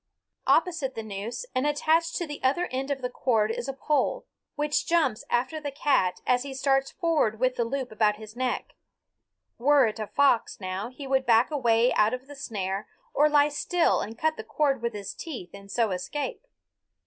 Opposite the noose and attached to the other end of the cord is a pole, which jumps after the cat as he starts forward with the loop about his neck. Were it a fox, now, he would back away out of the snare, or lie still and cut the cord with his teeth and so escape.